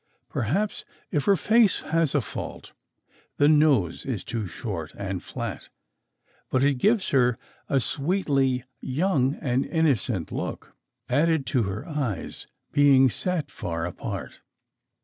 Perhaps, if her face has a fault, the nose is too short and flat, but it gives her a sweetly young and innocent look, added to her eyes being set far apart.